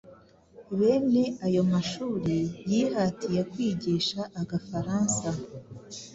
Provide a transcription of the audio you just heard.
bene ayo mashuri yihatiye kwigisha agafaransa.